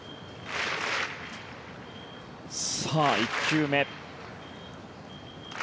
さあ、１球目。